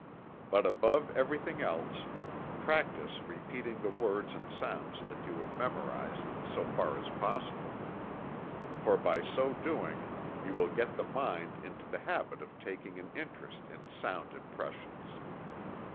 But above everything else, practice repeating the words and sounds that you have memorized, so far as is possible for by so doing you will get the mind into the habit of taking an interest in sound impressions.